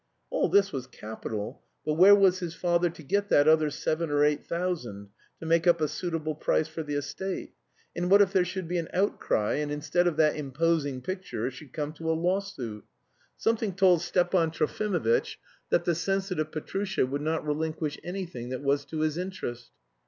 All this was capital, but where was his father to get that other seven or eight thousand, to make up a suitable price for the estate? And what if there should be an outcry, and instead of that imposing picture it should come to a lawsuit? Something told Stepan Trofimovitch that the sensitive Petrusha would not relinquish anything that was to his interest.